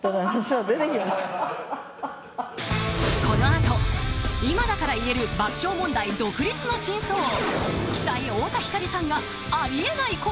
このあと、今だから言える爆笑問題独立の真相。